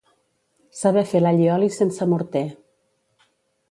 Saber fer l'allioli sense morter.